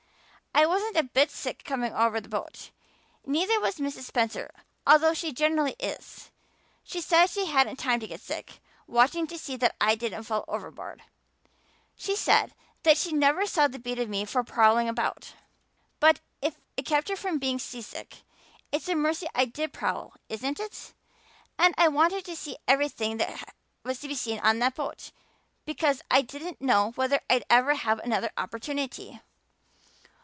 I wasn't a bit sick coming over in the boat. Neither was Mrs. Spencer although she generally is. She said she hadn't time to get sick, watching to see that I didn't fall overboard. She said she never saw the beat of me for prowling about. But if it kept her from being seasick it's a mercy I did prowl, isn't it? And I wanted to see everything that was to be seen on that boat, because I didn't know whether I'd ever have another opportunity.